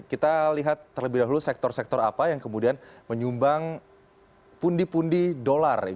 kita lihat terlebih dahulu sektor sektor apa yang kemudian menyumbang pundi pundi dolar